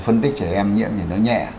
phân tích trẻ em nhiễm thì nó nhẹ